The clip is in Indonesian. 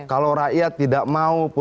kalau rakyat tidak mau